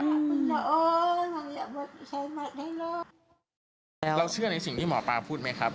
เราเชื่อในสิ่งที่หมอปลาพูดไหมครับ